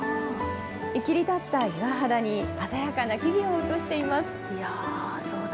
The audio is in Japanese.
切り立った岩肌に鮮やかな木々を映しています。